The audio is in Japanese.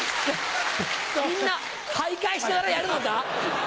みんな徘徊しながらやるのか？